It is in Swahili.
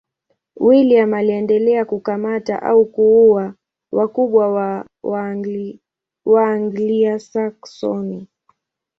William aliendelea kukamata au kuua wakubwa wa Waanglia-Saksoni.